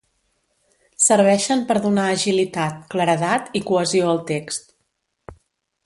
Serveixen per donar agilitat, claredat i cohesió al text.